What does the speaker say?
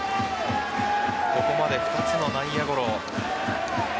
ここまで２つの内野ゴロ。